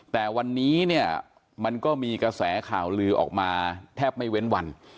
แต่วันนี้เนี่ยมันก็มีกระแสข่าวลือออกมาแทบไม่เว้นวัน